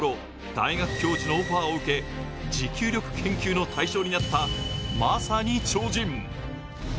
大学教授のオファーを受け持久力研究の対象になった、まさに超人。